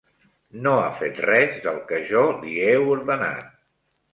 No ha fet res del que jo li he ordenat.